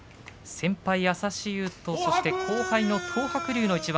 先輩、朝志雄とそして後輩の東白龍の一番。